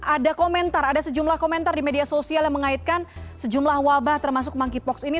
ada komentar ada sejumlah komentar di media sosial yang mengaitkan sejumlah wabah termasuk monkeypox ini